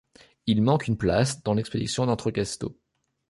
Il manque une place dans l'expédition d'Entrecasteaux.